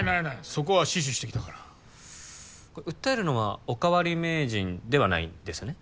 そこは死守してきたから訴えるのはおかわり名人ではないんですよね？